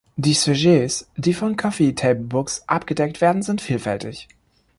Die Sujets, die von Coffee Table Books abgedeckt werden, sind vielfältig.